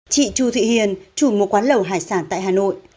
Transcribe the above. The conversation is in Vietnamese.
chị chu thị hiền chủ một quán lầu hải sản tại hà nội